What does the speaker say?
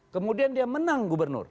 kemudian dia menang gubernur